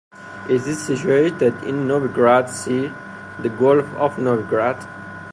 It is situated in Novigrad Sea, the gulf of Novigrad.